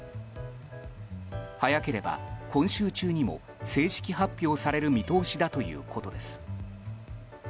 早ければ今週中にも正式発表される見通しだということです。